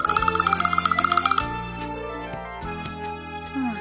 うん。